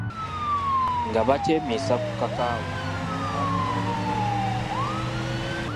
Nga bakyeminsa ku kakaawa, batumya n'emmere.